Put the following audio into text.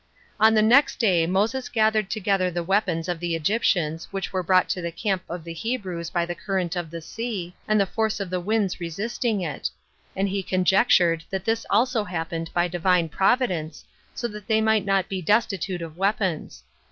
6. On the next day Moses gathered together the weapons of the Egyptians, which were brought to the camp of the Hebrews by the current of the sea, and the force of the winds resisting it; and he conjectured that this also happened by Divine Providence, that so they might not be destitute of weapons.